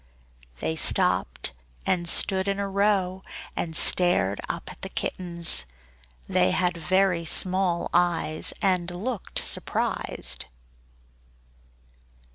They stopped and stood in a row, and stared up at the kittens. They had very small eyes and looked surprised.